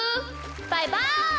バイバイ！